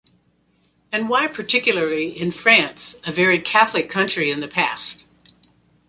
And why particularly in France, a very Catholic country in the past?